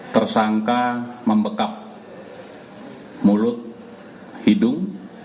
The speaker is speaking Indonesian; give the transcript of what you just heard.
tersangka membekap mulut hidung